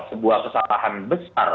sebuah kesalahan besar